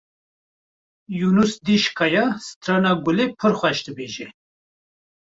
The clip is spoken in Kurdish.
Yûnûs dîşkaya strana Gulê pir xweş dibêje.